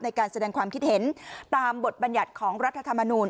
ในการแสดงความคิดเห็นตามบทบัญญัติของรัฐธรรมนูล